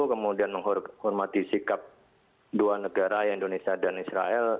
kemudian menghormati sikap dua negara indonesia dan israel